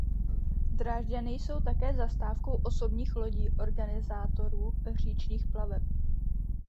Drážďany jsou také zastávkou osobních lodí organizátorů říčních plaveb.